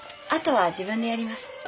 あとは自分でやります。